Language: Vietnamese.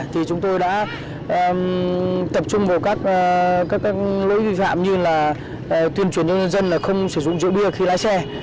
thì chúng tôi đã tập trung vào các lỗi vi phạm như là tuyên truyền cho nhân dân là không sử dụng rượu bia khi lái xe